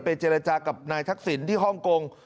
เจรจากับนายทักษิณที่ฮ่องกง